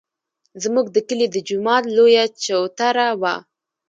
زموږ د کلي د جومات لویه چوتره وه.